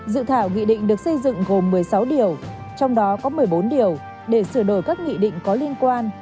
dự thảo nghị định được xây dựng gồm một mươi sáu điều trong đó có một mươi bốn điều để sửa đổi các nghị định có liên quan